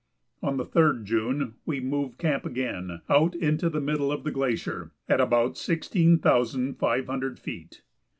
On the 3d June we moved camp again, out into the middle of the glacier, at about sixteen thousand five hundred feet.